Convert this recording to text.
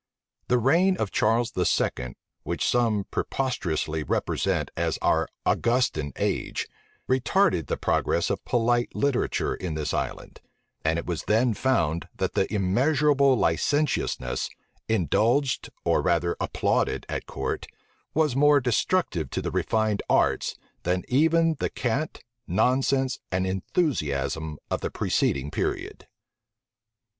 The reign of Charles II., which some preposterously represent as our Augustan age, retarded the progress of polite literature in this island; and it was then found, that the immeasurable licentiousness, indulged or rather applauded at court, was more destructive to the refined arts, than even the cant, nonsense, and enthusiasm of the preceding period.